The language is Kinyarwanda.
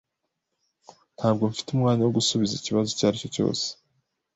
Ntabwo mfite umwanya wo gusubiza ikibazo icyo ari cyo cyose.